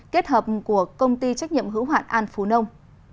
kết hợp của công ty trách nhiệm hữu hoạn an phú nông